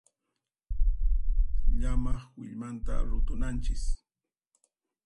Llamaq willmanta rutunanchis.